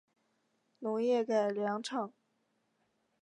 农业改良场